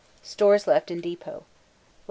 Stores left in depôt: Lat.